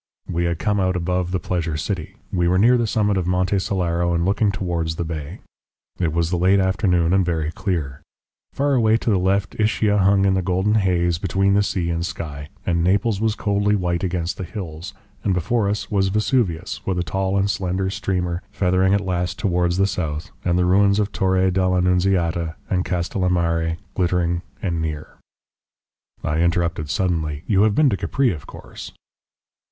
We had come out above the Pleasure City, we were near the summit of Monte Solaro and looking towards the bay. It was the late afternoon and very clear. Far away to the left Ischia hung in a golden haze between sea and sky, and Naples was coldly white against the hills, and before us was Vesuvius with a tall and slender streamer feathering at last towards the south, and the ruins of Torre dell' Annunziata and Castellamare glittering and near." I interrupted suddenly: "You have been to Capri, of course?"